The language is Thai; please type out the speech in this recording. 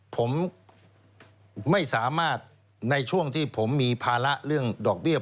ผมไม่สามารถในช่วงที่ผมมีภาระเรื่องดอกเบี้ย